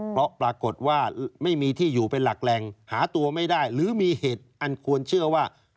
เพราะปรากฏว่าไม่มีที่อยู่เป็นหลักแหล่งหาตัวไม่ได้หรือมีเหตุอันควรเชื่อว่า